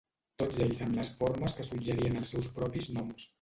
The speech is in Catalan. Tots ells amb les formes que suggerien els seus propis noms.